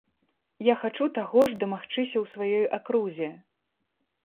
Я хачу таго ж дамагчыся ў сваёй акрузе.